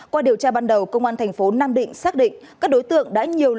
qua điều tra ban đầu cơ quan thành phố nam định xác định